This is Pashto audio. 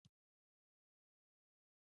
د اکتوبر پر اتلسمه سهار له کوره راووتلم.